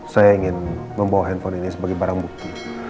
saya ingin membawa handphone ini sebagai barang bukti